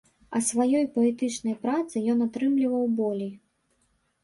А сваёй паэтычнай працы ён атрымліваў болей.